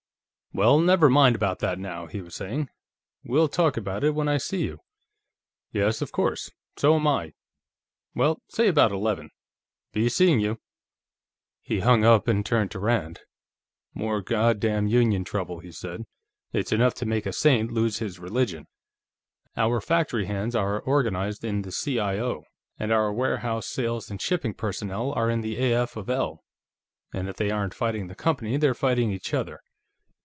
"Well, never mind about that, now," he was saying. "We'll talk about it when I see you.... Yes, of course; so am I.... Well, say about eleven.... Be seeing you." He hung up and turned to Rand. "More God damned union trouble," he said. "It's enough to make a saint lose his religion! Our factory hands are organized in the C.I.O., and our warehouse, sales, and shipping personnel are in the A.F. of L., and if they aren't fighting the company, they're fighting each other.